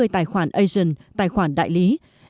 một trăm chín mươi tài khoản asian tài khoản đại lý